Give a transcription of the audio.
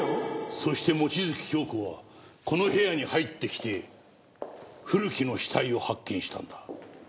そして望月京子はこの部屋に入ってきて古木の死体を発見したんだ。